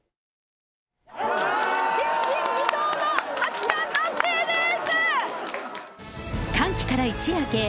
前人未到の八冠達成です！